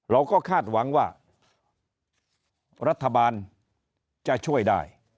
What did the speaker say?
เราก็คาดหวังว่ารัฐบาลจะช่วยได้